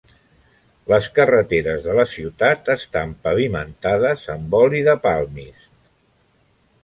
Les carreteres de la ciutat estan pavimentades amb oli de palmist.